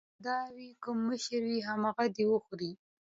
ښه به دا وي کوم مشر وي همغه دې وخوري.